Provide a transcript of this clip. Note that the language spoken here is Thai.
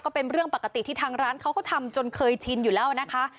ก็เป็นเรื่องปกติที่ทางร้านเขาก็ทำจนเคยชินอยู่แล้วนะคะ